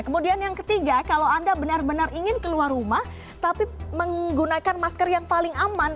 kemudian yang ketiga kalau anda benar benar ingin keluar rumah tapi menggunakan masker yang paling aman